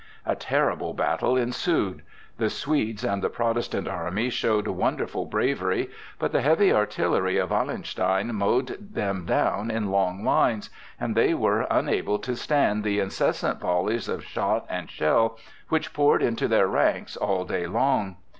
A terrible battle ensued. The Swedes and the Protestant army showed wonderful bravery, but the heavy artillery of Wallenstein mowed them down in long lines, and they were unable to stand the incessant volleys of shot and shell which poured into their ranks all day long.